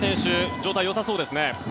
状態よさそうですね。